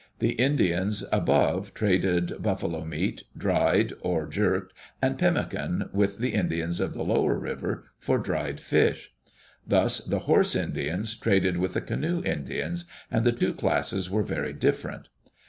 The Indians above traded buffalo meat, dried or jerked, and pemmican with the Indians of the lower river, for dried fish. Thus the horse Indians traded with the canoe Indians, and the two classes were very different.